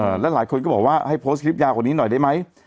แล้วหลายคนก็บอกว่าให้โพสต์คลิปยาวกว่านี้หน่อยได้ไหม